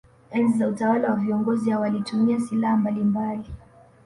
Enzi za utawala wa viongozi hao walitumia silaha mbalimbali